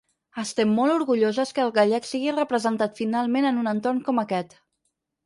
Estem molt orgulloses que el gallec sigui representat finalment en un entorn com aquest.